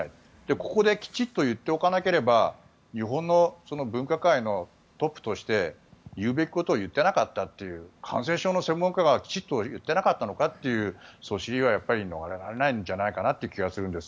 ここできちっと言っておかなければ日本の分科会のトップとして言うべきことを言ってなかったという感染症の専門家がきちんと言ってなかったのかというそしりは逃れられないんじゃないかなという気がするんです。